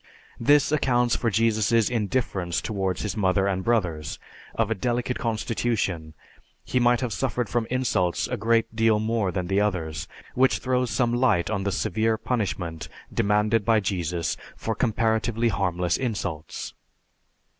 This accounts for Jesus' indifference towards his mother and brothers; of a delicate constitution, he must have suffered from insults a great deal more than the others, which throws some light on the severe punishment demanded by Jesus for comparatively harmless insults.